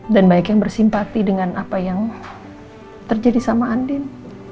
dan banyak yang bersimpati dengan apa yang terjadi sama andin